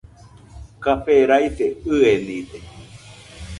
Café raise ɨenide.